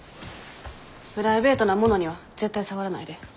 プライベートなものには絶対触らないで。